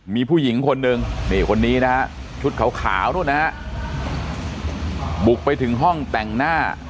มีผู้หญิงคนนึงนี่คนนี้นะฮะชุดขาวนู่นนะฮะบุกไปถึงห้องแต่งหน้า